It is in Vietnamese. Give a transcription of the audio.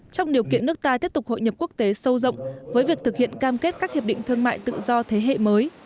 trong điều kiện nước ta tiếp tục hội nhập quốc tế sâu rộng với việc thực hiện cam kết các hiệp định thương mại tự do thế hệ mới